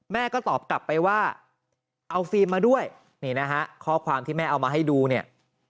แม่ก็ตอบกลับไปว่าเอาฟิล์มมาด้วยนี่นะฮะข้อความที่แม่เอามาให้ดูเนี่ย